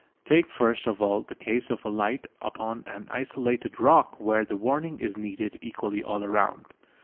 Take first of all the case of a light upon an isolated rock where the warning is needed equally all round.